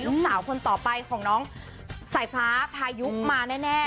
ลูกสาวคนต่อไปของน้องสายฟ้าพายุมาแน่